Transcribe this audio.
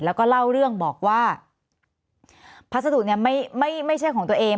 แล้วก็เล่าเรื่องบอกว่าพัสดุเนี่ยไม่ใช่ของตัวเอง